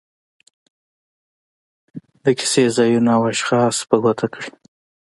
د کیسې ځایونه او اشخاص په ګوته کړي.